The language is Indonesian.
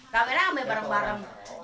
kameranya ame bareng bareng